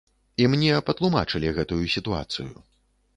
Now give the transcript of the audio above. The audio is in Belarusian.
І мне патлумачылі гэтую сітуацыю.